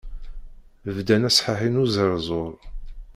Bdan asḥaḥi n uẓerẓur.